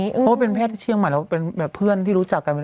เพราะว่าเป็นแพทย์ที่เชียงใหม่แล้วเป็นแบบเพื่อนที่รู้จักกัน